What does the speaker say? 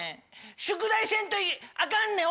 宿題せんとアカンねん！